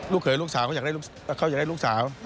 เขยลูกสาวเขาอยากได้ลูกสาว